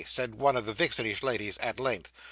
said one of the vixenish ladies at length.